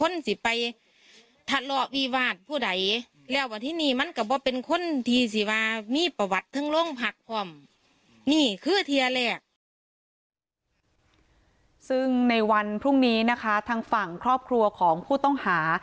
ซึ่งในวันพรุ่งนี้นะคะทางฝั่งครอบครัวของผู้ต้องหา